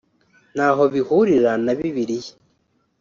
naho bihurira na Bibiliya